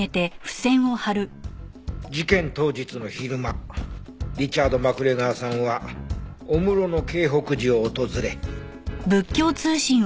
事件当日の昼間リチャード・マクレガーさんは御室の京北寺を訪れ。